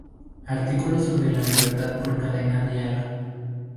Artículo sobre La Libertad por Cadena Dial